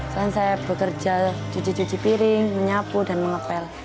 selain saya bekerja cuci cuci piring menyapu dan mengepel